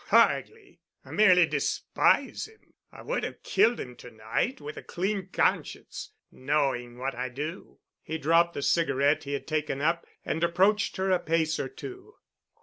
Hardly. I merely despise him. I would have killed him to night with a clean conscience, knowing what I do." He dropped the cigarette he had taken up and approached her a pace or two.